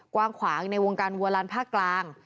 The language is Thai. กว้างขวางในวงการวัวลานภาคกลาง